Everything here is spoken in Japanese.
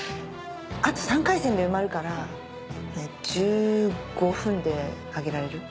あと３回戦で埋まるから１５分で上げられる？